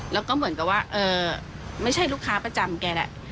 แล้วก็เหมือนกับว่าไม่ใช่ลูกค้าประจำแกแหละ